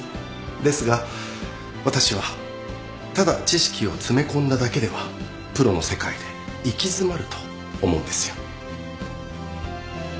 ですが私はただ知識を詰め込んだだけではプロの世界で行き詰まると思うんですよ。